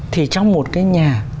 thì trong một cái nhà